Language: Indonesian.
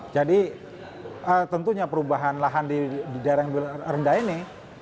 jadi tentunya perubahan lahan di daerah yang rendah ini